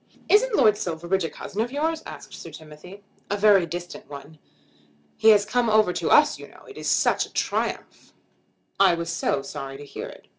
"Isn't Lord Silverbridge a cousin of yours?" asked Sir Timothy. "A very distant one." "He has come over to us, you know. It is such a triumph." "I was so sorry to hear it."